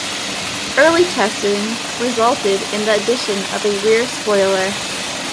Early testing resulted in the addition of a rear spoiler.